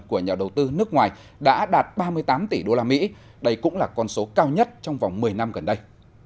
của nhà đầu tư nước ngoài đã đạt ba mươi tám tỷ usd đây cũng là con số cao nhất trong vòng một mươi năm gần đây